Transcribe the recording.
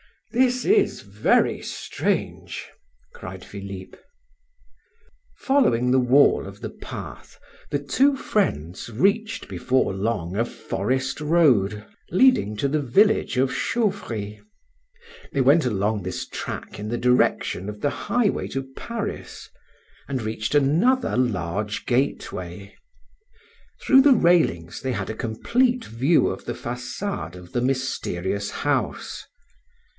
"This is very strange!" cried Philip. Following the wall of the path, the two friends reached before long a forest road leading to the village of Chauvry; they went along this track in the direction of the highway to Paris, and reached another large gateway. Through the railings they had a complete view of the facade of the mysterious house.